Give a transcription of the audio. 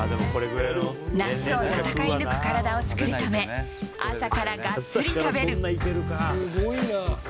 夏を戦い抜く体を作るため、朝からがっつり食べる。